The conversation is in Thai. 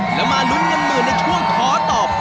แล้วมาลุ้นเงินหมื่นในช่วงขอตอบ